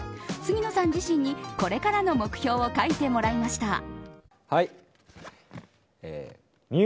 杉野さん自身にこれからの目標を書いてもらいました。